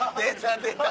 出た！